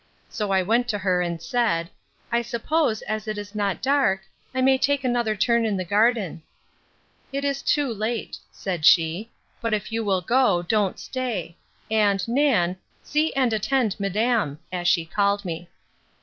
So I went to her, and said; I suppose, as it is not dark, I may take another turn in the garden. It is too late, said she; but if you will go, don't stay; and, Nan, see and attend madam, as she called me.